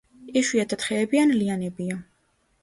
იშვიათად ხეები ან ლიანებია.